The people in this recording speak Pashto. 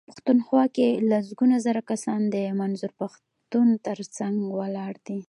پښتونخوا کې لسګونه زره کسان د منظور پښتون ترڅنګ ولاړ دي.